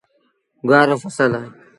گُوآر رو ڦسل۔